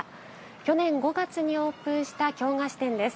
去年５月にオープンした京菓子店です。